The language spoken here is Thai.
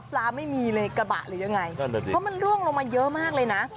ปลาไม่มีเลยกระบะหรือยังไงเพราะมันร่วงลงมาเยอะมากเลยนะ